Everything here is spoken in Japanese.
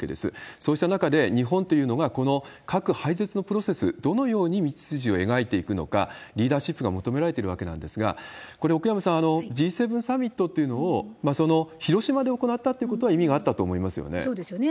そうした中で、日本というのが、この核廃絶のプロセス、どのように道筋を描いていくのか、リーダーシップが求められてる訳なんですが、これ、奥山さん、Ｇ７サミットっていうのを広島で行ったっていうことは意味があっそうですよね。